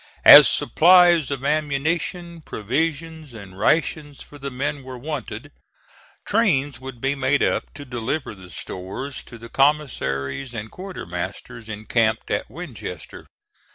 As supplies of ammunition, provisions and rations for the men were wanted, trains would be made up to deliver the stores to the commissaries and quartermasters encamped at Winchester.